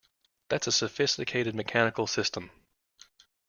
That's a sophisticated mechanical system!